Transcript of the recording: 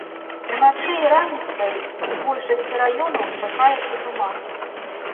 Уначы і раніцай у большасці раёнаў чакаецца туман.